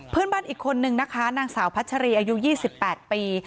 เพื่อนบ้านอีกคนนึงนะคะนางสาวพัชรีอายุ๒๘ปี